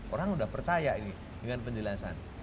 orang sudah percaya ini dengan penjelasan